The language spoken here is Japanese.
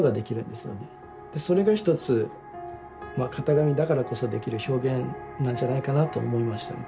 でそれの一つまあ型紙だからこそできる表現なんじゃないかなと思いましたね